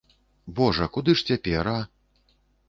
Божа, куды ж цяпер, а?!